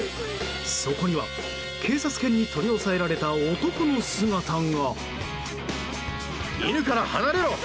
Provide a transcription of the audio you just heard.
そこには、警察犬に取り押さえられた男の姿が。